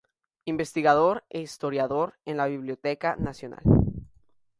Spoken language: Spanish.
Investigador e historiador en la Biblioteca Nacional.